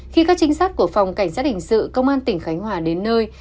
khi các trinh sát của phòng cảnh sát hình sự công an tỉnh khánh hòa đến nơi